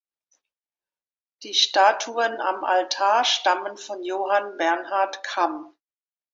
Die Statuen am Altar stammen von Johann Bernhard Kamm.